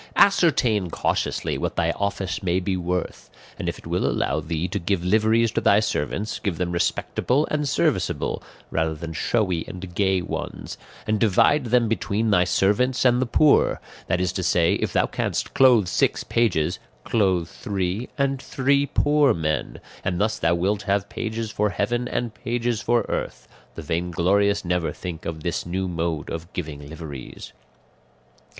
"Ascertain cautiously what thy office may be worth; and if it will allow thee to give liveries to thy servants, give them respectable and serviceable, rather than showy and gay ones, and divide them between thy servants and the poor; that is to say, if thou canst clothe six pages, clothe three and three poor men, and thus thou wilt have pages for heaven and pages for earth; the vainglorious never think of this new mode of giving liveries.